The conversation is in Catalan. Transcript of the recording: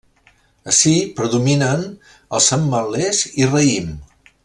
Ací predominen els ametlers i raïm.